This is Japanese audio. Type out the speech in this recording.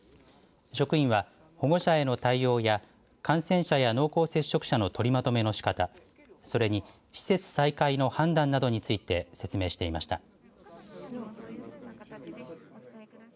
職員は、保護者への対応や感染者や濃厚接触者の取りまとめのしかたそれに施設再開の判断などについて説明していました。